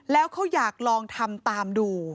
แล้วเขาอยากลองทำตามดู